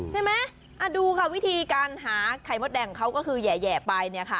ใช่ไหมดูค่ะวิธีการหาไข่มดแดงของเขาก็คือแหย่ไปเนี่ยค่ะ